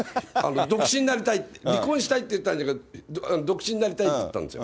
独身になりたい、離婚したいって、独身になりたいって言ったんですよ。